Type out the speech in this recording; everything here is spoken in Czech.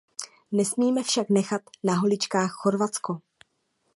Nesmíme však nechat na holičkách Chorvatsko.